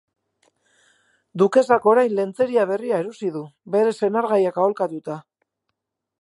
Dukesak orain lentzeria berria erosi du, bere senargaiak aholkatuta.